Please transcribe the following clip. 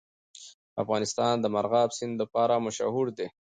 افغانستان د مورغاب سیند لپاره مشهور دی.